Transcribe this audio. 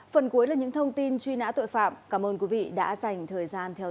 phần cuối là những thông tin truy nã tội phạm cảm ơn quý vị đã dành thời gian theo dõi